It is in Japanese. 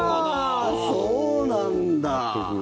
そうなんだ。